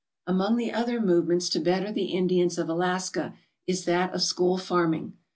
Among the other movements to better the Indians of Alaska is that of school farming.